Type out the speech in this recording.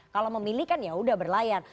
kalau memilih kan yaudah berlayar